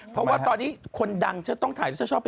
เพราะว่าตอนนี้คนดังฉันต้องถ่าย